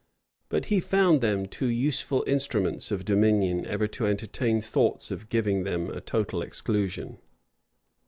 But he found them too useful instruments of dominion ever to entertain thoughts of giving them a total exclusion.